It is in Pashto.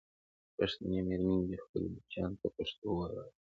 پښتنې مېرمنې دې خپلو بچیانو ته پښتو ویې ویي.